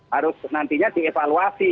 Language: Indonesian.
harus nantinya dievaluasi